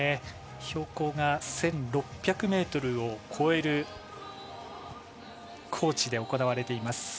標高が１６００ｍを超える高地で行われています。